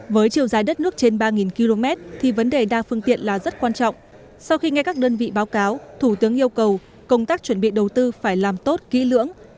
với chiều dài đất nước trên ba km thì vấn đề đa phương tiện là rất quan trọng sau khi nghe các đơn vị báo cáo thủ tướng yêu cầu công tác chuẩn bị đầu tư phải làm tốt kỹ lưỡng